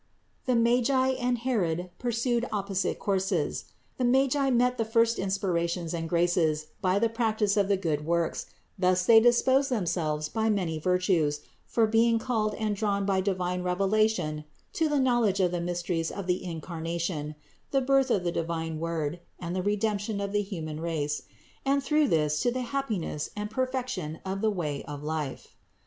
The Magi and Herod pursued opposite courses : the Magi met the first inspirations and graces by the practice of the good works; thus they disposed them selves by many virtues for being called and drawn by divine revelation to the knowledge of the mysteries of the Incarnation, the birth of the divine Word and the Redemption of the human race; and through this to the happiness and perfection of the way of life.